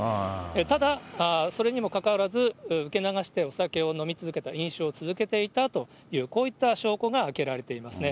ただ、それにもかかわらず、受け流してお酒を飲み続けた、飲酒を続けていたという、こういった証拠が挙げられていますね。